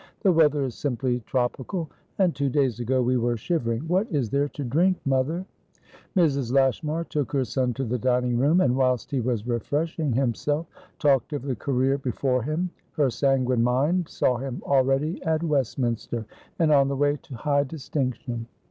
"The weather is simply tropical. And two days ago we were shivering. What is there to drink, mother?" Mrs. Lashmar took her son to the dining room, and, whilst he was refreshing himself, talked of the career before him. Her sanguine mind saw him already at Westminster, and on the way to high distinction.